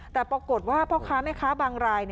แต่ปรากฏว่าพ่อค้าแม่ค้าบางราย